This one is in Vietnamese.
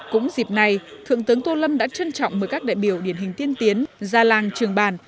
cũng dịp này thượng tướng tô lâm đã trân trọng mời các đại biểu điển hình tiên tiến gia làng trường bàn